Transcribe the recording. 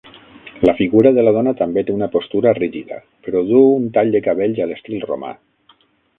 La figura de la dona també té una postura rígida però duu un tall de cabells a l'estil romà.